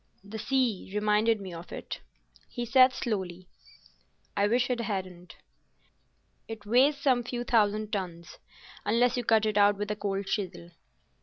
"The sea reminded me of it," he said slowly. "I wish it hadn't. It weighs some few thousand tons—unless you cut it out with a cold chisel."